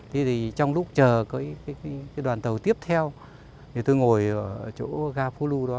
thế thì trong lúc chờ cái đoàn tàu tiếp theo thì tôi ngồi ở chỗ ga phố lu đó